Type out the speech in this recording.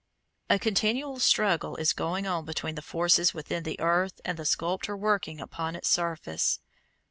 A continual struggle is going on between the forces within the earth and the sculptor working upon its surface.